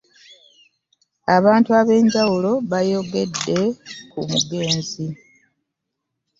Abantu ab'enjawulo baayogedde ku mugenzi